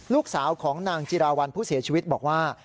ลูกสาวของนางจิราวัลผู้เสียชีวิตบอกว่า